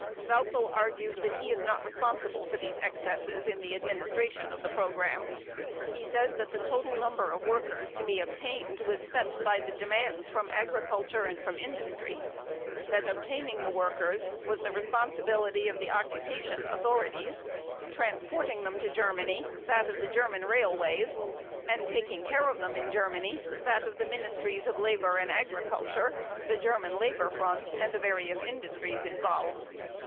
Sauckel argues that he is not responsible for these excesses in the administration of the program. He says that the total number of workers to be obtained was set by the demands from agriculture and from industry; that obtaining the workers was the responsibility of the occupation authorities transporting them to Germany that of the German railways, and taking care of them in Germany that of the Ministries of Labor and Agriculture, the German Labor Front, and the various industries involved.